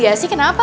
iya sih kenapa